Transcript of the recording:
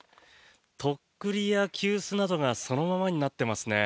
とっくりや急須などがそのままになっていますね。